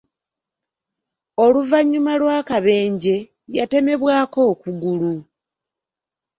Oluvannyuma lw’akabenje, yatemebwako okugulu.